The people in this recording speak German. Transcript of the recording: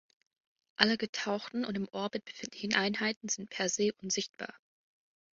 Alle getauchten und im Orbit befindlichen Einheiten sind per se unsichtbar.